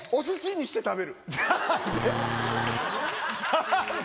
何で？